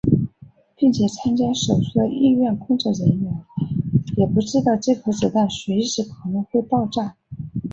并且参加手术的医院工作人员也不知道这颗子弹随时都可能会爆炸。